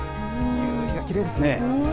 きれいですね。